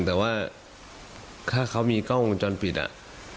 แต่ว่าถ้าเขามีกล้องวงจรปิดอ่ะ